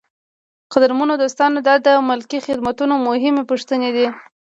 قدرمنو دوستانو دا د ملکي خدمتونو مهمې پوښتنې دي.